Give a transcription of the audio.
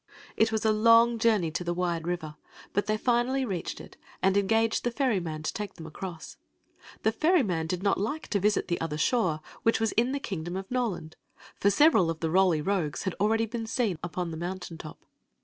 It was a long journey to the wide river, but they finally reached it, and engaged the ferryman to take than across. The ferryman did not like to visit the other shore, which was in the kingdom of Noland ; for several of the Roly Rogues had already been seen upon the mountain top.